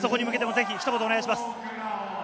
ひと言お願いします。